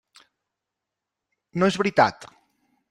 No és veritat!